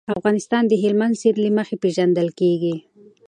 افغانستان د هلمند سیند له مخې پېژندل کېږي.